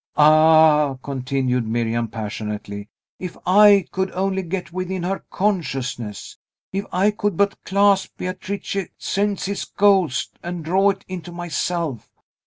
Ah!" continued Miriam passionately, "if I could only get within her consciousness! if I could but clasp Beatrice Cenci's ghost, and draw it into myself!